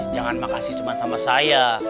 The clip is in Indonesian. jangan makasih cuma sama saya